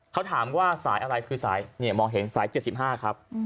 เขาถามว่าสายอะไรคือสายมองเห็นสาย๗๕ครับ